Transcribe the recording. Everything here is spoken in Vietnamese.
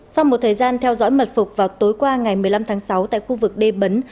sau một thời gian theo dõi mật phục vào tối qua ngày một mươi năm tháng sáu tại khu vực đê bấn